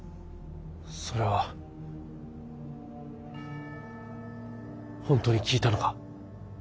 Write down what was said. それは本当に聞いたのか。